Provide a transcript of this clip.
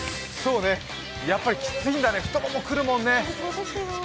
やっぱりきついんだね、太股くるもんね。